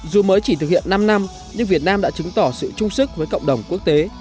dù mới chỉ thực hiện năm năm nhưng việt nam đã chứng tỏ sự trung sức với cộng đồng quốc tế